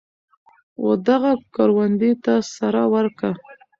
ودغه کروندې ته سره ورکه.